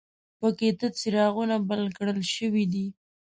په کې تت څراغونه بل کړل شوي دي.